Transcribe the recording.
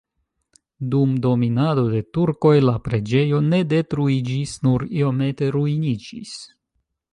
Dum dominado de turkoj la preĝejo ne detruiĝis, nur iomete ruiniĝis.